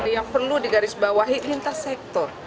yang perlu digarisbawahi lintas sektor